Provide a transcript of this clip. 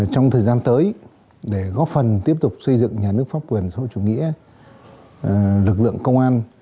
trong thời gian tới để góp phần tiếp tục xây dựng nhà nước pháp quyền sau chủ nghĩa lực lượng công an